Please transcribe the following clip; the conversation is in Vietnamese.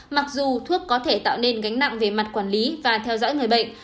mặc dù thuốc có thể tạo nên gánh nặng về mặt quản lý và theo dõi người bệnh